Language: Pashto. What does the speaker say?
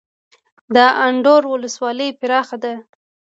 د اندړ ولسوالۍ پراخه ده